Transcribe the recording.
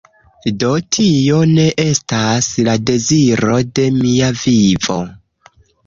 Do tio ne estas la deziro de mia vivo